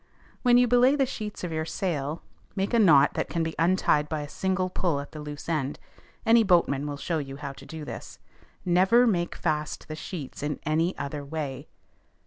When you belay the sheets of your sail, make a knot that can be untied by a single pull at the loose end: any boatman will show you how to do this. _Never make fast the sheets in any other way.